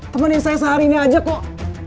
temen yang saya sehari ini aja kok